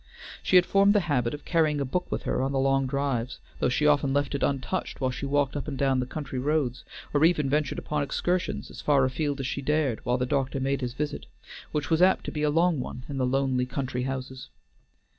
She had formed the habit of carrying a book with her on the long drives, though she often left it untouched while she walked up and down the country roads, or even ventured upon excursions as far afield as she dared, while the doctor made his visit, which was apt to be a long one in the lonely country houses.